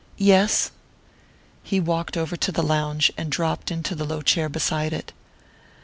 "Yes." He walked over to the lounge and dropped into the low chair beside it.